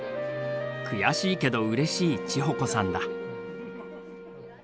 悔しいけどうれしい智穂子さんだ。